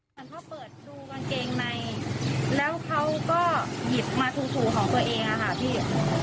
เหมือนเขาเปิดดูกางเกงในแล้วเขาก็หยิบมาถูของตัวเองอะค่ะพี่